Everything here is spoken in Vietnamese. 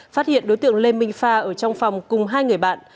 phát hiện đối tượng lê minh phà ở trong phòng cùng hai người bạn